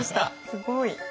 すごい。